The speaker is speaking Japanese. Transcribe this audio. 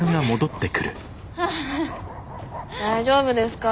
大丈夫ですか？